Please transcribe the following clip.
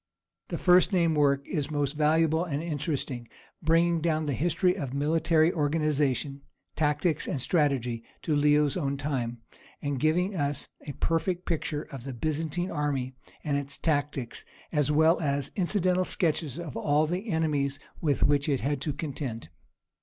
(26) The first named work is most valuable and interesting, bringing down the history of military organization, tactics, and strategy to Leo's own time, and giving us a perfect picture of the Byzantine army and its tactics, as well as incidental sketches of all the enemies with which it had to contend.